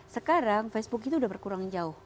sekarang facebook itu sudah berkurang jauh